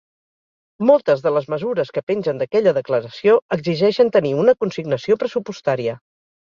Moltes de les mesures que pengen d’aquella declaració exigeixen tenir una consignació pressupostària.